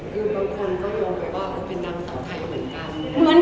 คือบางคนก็โยงไปว่าเป็นนางเสาไทยเหมือนกัน